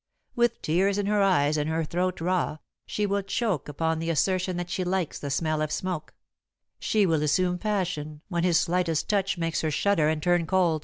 With tears in her eyes and her throat raw, she will choke upon the assertion that she likes the smell of smoke; she will assume passion when his slightest touch makes her shudder and turn cold.